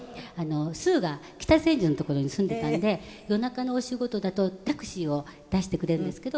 スーが北千住の所に住んでいたんで夜中のお仕事だとタクシーを出してくれるんですけど。